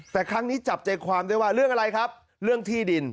แต่ครั้งนี้จับใจความได้ว่าเรื่องอะไรครับเรื่องที่ดิน